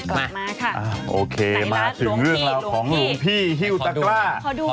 มาโอเคมาถึงเรื่องของหลวงพี่ฮิวตระก้า